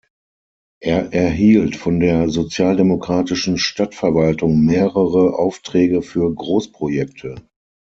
Er erhielt von der sozialdemokratischen Stadtverwaltung mehrere Aufträge für Großprojekte.